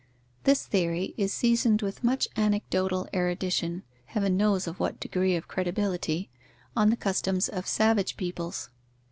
This theory is seasoned with much anecdotal erudition, Heaven knows of what degree of credibility! on the customs of savage peoples.